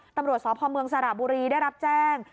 ตำรวจสพเมืองสระบุรีได้รับแจ้ง